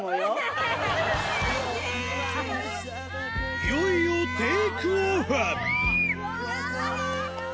いよいよテイクオフうわぁ！